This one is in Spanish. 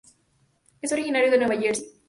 Es originario de Nueva Jersey.